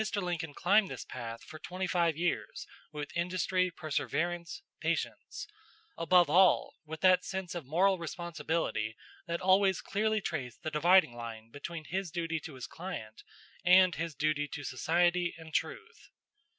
Lincoln climbed this path for twenty five years with industry, perseverance, patience above all, with that sense of moral responsibility that always clearly traced the dividing line between his duty to his client and his duty to society and truth.